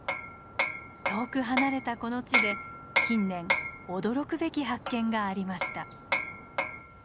遠く離れたこの地で近年驚くべき発見がありました。